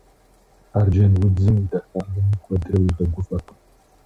Арджэнудзым и дахагъэми куэдрэ уигъэгуфӀэркъым.